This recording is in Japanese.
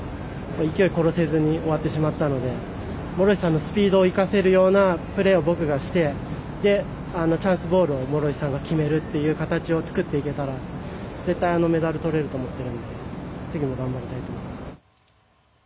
勢いを殺せずに終わってしまったので諸石さんのスピードを生かせるようなプレーを僕がしてチャンスボールを諸石さんが決めるという形を作っていけたら絶対メダル取れると思っているので次も頑張りたいと思います。